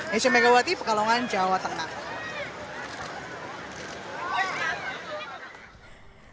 nesya megawati pekalongan jawa tengah